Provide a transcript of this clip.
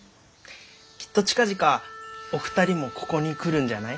きっと近々お二人もここに来るんじゃない？